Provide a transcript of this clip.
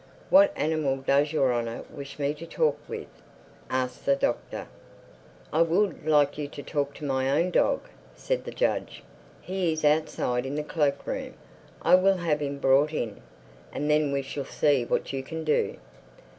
"What animal does Your Honor wish me to talk with?" asked the Doctor. "I would like you to talk to my own dog," said the judge. "He is outside in the cloak room. I will have him brought in; and then we shall see what you can do."